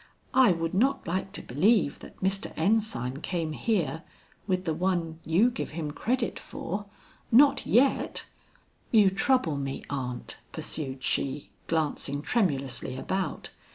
"I would not like to believe that Mr. Ensign came here with the one you give him credit for not yet. You trouble me, aunt," pursued she, glancing tremulously about.